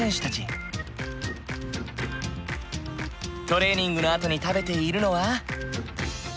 トレーニングのあとに食べているのは。